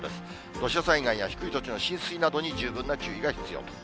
土砂災害や低い土地の浸水などに十分な注意が必要と。